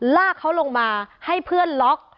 ลากเขาลงมาให้เพื่อนล็อก